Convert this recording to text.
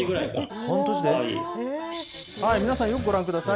皆さん、よくご覧ください。